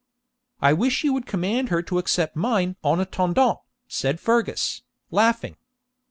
'I wish you would command her to accept mine en attendant,' said Fergus, laughing.